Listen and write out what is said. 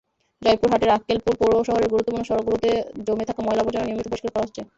জয়পুরহাটের আক্কেলপুর পৌর শহরের গুরুত্বপূর্ণ সড়কগুলোতে জমে থাকা ময়লা-আবর্জনা নিয়মিত পরিষ্কার করা হচ্ছে।